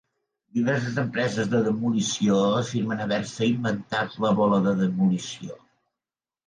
Diverses empreses de demolició afirmen haver-se inventat la bola de demolició.